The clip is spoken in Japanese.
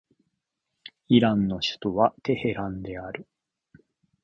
イランの首都はテヘランである